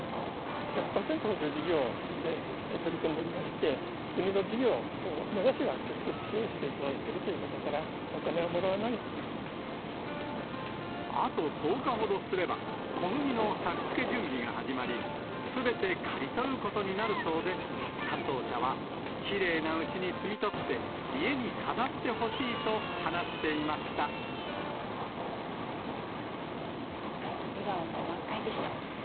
補助事業で取り組んでおりまして、国の事業を熊谷市が直接、支援していただいているということから、あと１０日ほどすれば、小麦の作付け準備が始まり、すべて刈り取ることになるそうで、担当者は、きれいなうちに摘み取って、家に飾ってほしいと話して笑顔も満開でした。